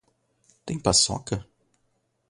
Tem paçoca?